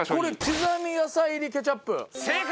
刻み野菜入りケチャップ。